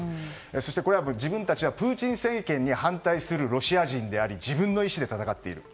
そしてこれは自分たちはプーチン政権に反対するロシア人であり自分の意思で戦っている。